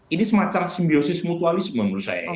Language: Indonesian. ini semacam simbiosis mutualisme menurut saya